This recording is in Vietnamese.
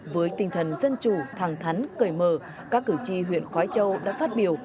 với tinh thần dân chủ thẳng thắn cởi mở các cử tri huyện khói châu đã phát biểu